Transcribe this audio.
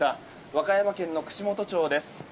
和歌山県の串本町です。